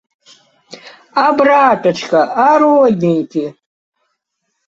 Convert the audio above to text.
А братачка, а родненькі!